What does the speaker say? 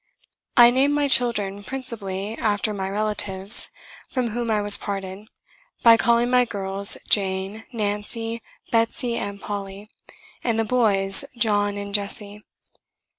I named my children, principally, after my relatives, from whom I was parted, by calling my girls Jane, Nancy, Betsey and Polly, and the boys John and Jesse.